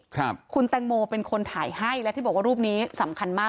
ครับคุณแตงโมเป็นคนถ่ายให้และที่บอกว่ารูปนี้สำคัญมาก